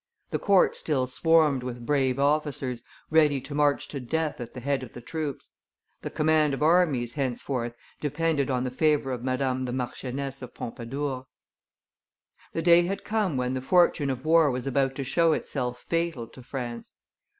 the court still swarmed with brave officers, ready to march to death at the head of the troops; the command of armies henceforth depended on the favor of Madame the Marchioness of Pompadour. The day had come when the fortune of war was about to show itself fatal to France.